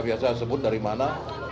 biasa sebut dari mana